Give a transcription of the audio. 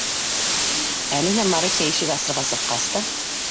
Әле лә Маруся ишек асырға сыҡҡас та: